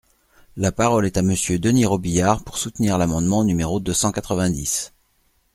La parole est à Monsieur Denys Robiliard, pour soutenir l’amendement numéro deux cent quatre-vingt-dix.